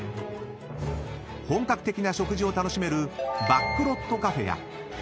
［本格的な食事を楽しめるバックロットカフェや］